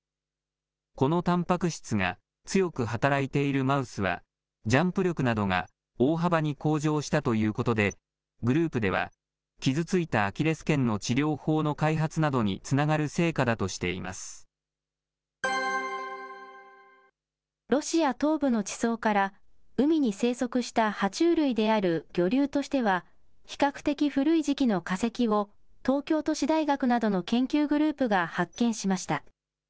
このたんぱく質が強く働いているマウスは、ジャンプ力などが大幅に向上したということで、グループでは、傷ついたアキレスけんの治療法の開発などにつながる成果だとしてロシア東部の地層から、海に生息したは虫類である魚竜としては、比較的古い時期の化石を東京都市大学などの研究グループが発見しました。